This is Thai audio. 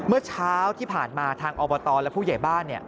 เมื่อเช้าที่ผ่านมาทางอบตและผู้ใหญ่บ้าน